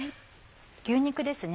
牛肉ですね。